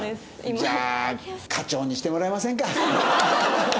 じゃあ課長にしてもらえませんか？